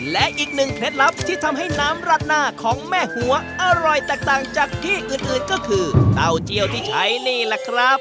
และอีกหนึ่งเคล็ดลับที่ทำให้น้ำรัดหน้าของแม่หัวอร่อยแตกต่างจากที่อื่นก็คือเต้าเจียวที่ใช้นี่แหละครับ